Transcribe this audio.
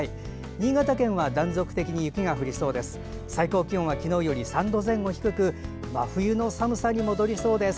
新潟県は断続的に雪が降りそうです。